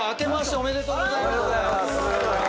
おめでとうございます。